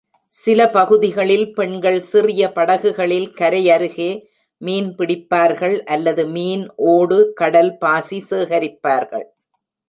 சில பகுதிகளில் பெண்கள் சிறிய படகுகளில் கரையருகே மீன் பிடிப்பார்கள் அல்லது மீன் ஓடு, கடல் பாசி சேகரிப்பார்கள்.